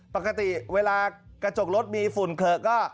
ปกติเวลากระจกรถมีฝุ่นเผลอก็